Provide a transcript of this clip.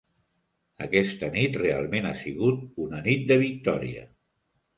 Aquesta nit realment ha sigut una nit de victòria.